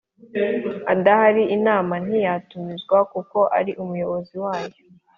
Adahari inama ntiya tumizwa kuko ari umuyobozi wayo